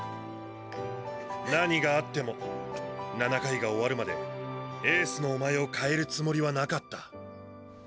何があっても７回が終わるまでエースのお前を代えるつもりはなかった。